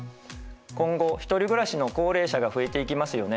今後一人暮らしの高齢者が増えていきますよね。